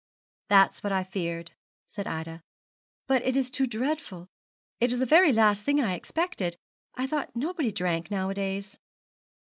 'That is what I feared,' said Ida; but it is too dreadful. It is the very last thing I expected. I thought nobody drank nowadays.'